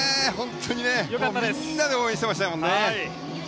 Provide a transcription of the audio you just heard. みんなで応援していましたもんね。